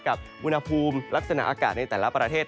อุณหภูมิลักษณะอากาศในแต่ละประเทศ